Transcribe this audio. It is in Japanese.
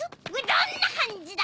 どんな感じだ！